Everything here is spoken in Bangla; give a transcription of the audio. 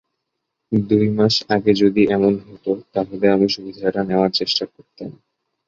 দুই মাস আগে যদি এমন হতো, তাহলে আমি সুবিধাটা নেওয়ার চেষ্টা করতাম।